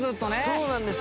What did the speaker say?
そうなんですよ。